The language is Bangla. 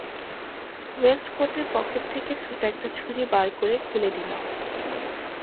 ওয়েস্ট কোটের পকেট থেকে ছোট একটা ছুরি বার করে খুলে নিলাম।